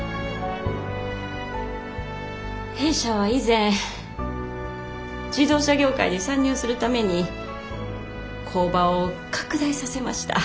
弊社は以前自動車業界に参入するために工場を拡大させました。